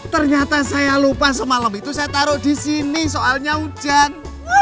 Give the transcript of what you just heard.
ternyata saya lupa semalam itu saya taruh di sini soalnya hujan